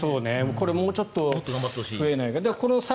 これ、もうちょっと増えないかな。